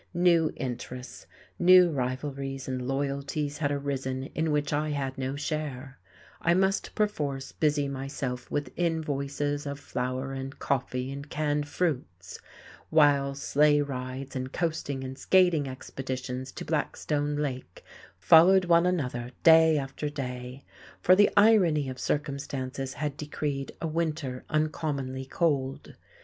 New interests, new rivalries and loyalties had arisen in which I had no share; I must perforce busy myself with invoices of flour and coffee and canned fruits while sleigh rides and coasting and skating expeditions to Blackstone Lake followed one another day after day, for the irony of circumstances had decreed a winter uncommonly cold.